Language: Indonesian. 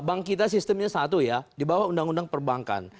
bank kita sistemnya satu ya dibawah undang undang perbankan